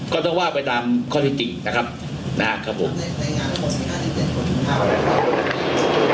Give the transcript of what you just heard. ก็ต้องว่าไปตามข้อที่จริงนะครับนะครับผม